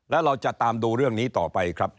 แล้วเราจะตามดูเรื่องนี้ต่อไปครับ